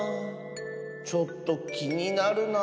ちょっときになるな。